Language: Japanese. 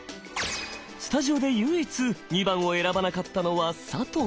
スタジオで唯一②番を選ばなかったのは佐藤さん。